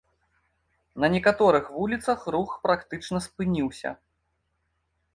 На некаторых вуліцах рух практычна спыніўся.